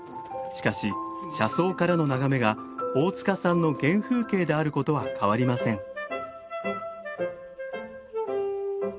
しかし車窓からの眺めが大塚さんの原風景であることは変わりません。